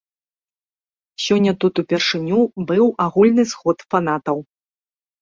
Сёння тут упершыню быў агульны сход фанатаў.